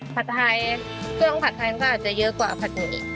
ผัดไทยเครื่องผัดไทยมันก็อาจจะเยอะกว่าผัดอื่นอีก